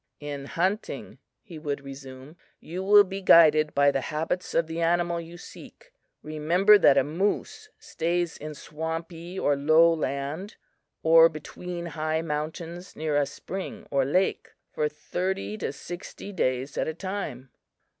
"In hunting," he would resume, "you will be guided by the habits of the animal you seek. Remember that a moose stays in swampy or low land or between high mountains near a spring or lake, for thirty to sixty days at a time.